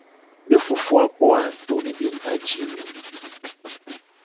Ne fofo a gbo a to ne be mu le ji i loo.